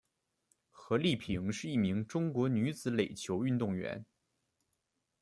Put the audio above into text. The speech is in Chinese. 何丽萍是一名中国女子垒球运动员。